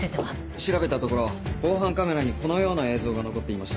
調べたところ防犯カメラにこのような映像が残っていました。